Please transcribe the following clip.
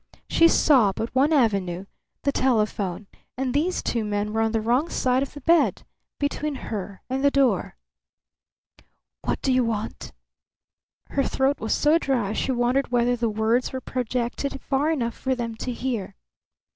She saw but one avenue, the telephone; and these two men were on the wrong side of the bed, between her and the door. "What do you want?" Her throat was so dry she wondered whether the words were projected far enough for them to hear.